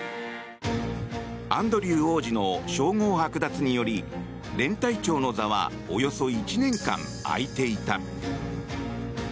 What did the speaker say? アンドリュー王子の称号剥奪により連隊長の座はおよそ１年間、空いていた。